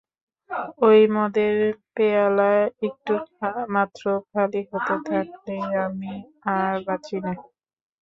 ঐ মদের পেয়ালা একটুমাত্র খালি হতে থাকলেই আমি আর বাঁচি নে।